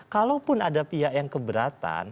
kalaupun ada pihak yang keberatan